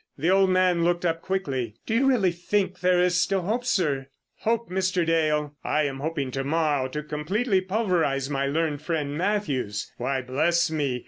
The old man looked up quickly. "Do you really think there is still hope, sir?" "Hope, Mr. Dale! I am hoping to morrow to completely pulverise my learned friend, Mathews. Why, bless me!